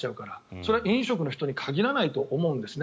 それは飲食の人に限らないと思うんですね。